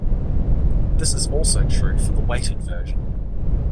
This is also true for the weighted version.